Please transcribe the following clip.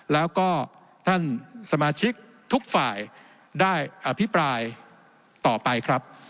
แล้วก็ท่านสมาชิกทุกฝ่ายได้อภิปรายต่อไปครับ